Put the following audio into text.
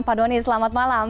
pak doni selamat malam